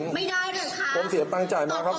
ไม่ได้เลยค่ะผมเสียตังค์จ่ายมาครับ